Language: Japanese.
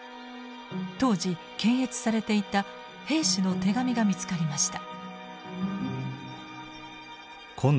当時検閲されていた兵士の手紙が見つかりました。